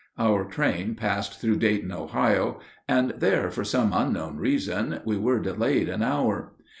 Our train passed through Dayton, Ohio, and there, for some unknown reason, we were delayed an hour.